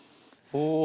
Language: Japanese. お。